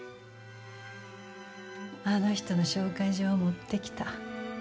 あの人の紹介状を持ってきた。